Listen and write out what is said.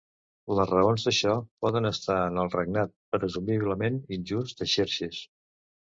Les raons d'això poden estar en el regnat presumiblement injust de Xerxes.